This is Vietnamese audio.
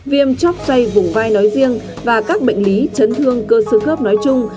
viêm chóp xoay vùng vai nói riêng và các bệnh lý chấn thương cơ sơ khớp nói chung